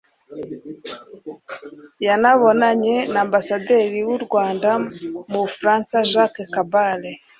yanabonanye na Ambasaderi w’u Rwanda mu Bufaransa Jacques Kabale